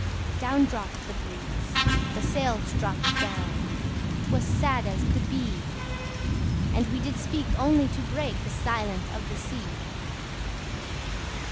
Down dropt the breeze, the sails dropt down, 'Twas sad as sad could be; And we did speak only to break The silence of the sea!